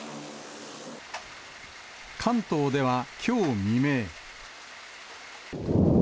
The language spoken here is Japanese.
関東ではきょう未明。